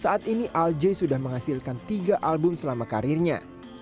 saat ini al jay sudah menghasilkan tiga album selama karirnya